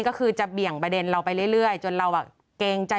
ก็คือจะเบี่ยงประเด็นเราไปเรื่อยจนเราเกรงใจ